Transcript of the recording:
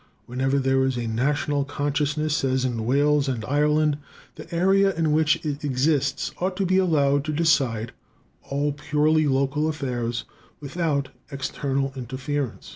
Wherever there is a national consciousness, as in Wales and Ireland, the area in which it exists ought to be allowed to decide all purely local affairs without external interference.